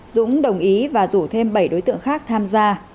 dũng đồng ý và rủ thêm bảy đối tượng khác tham gia